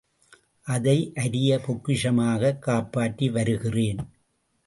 அதை அரிய பொக்கிஷமாகக் காப்பாற்றி வருகிறேன்.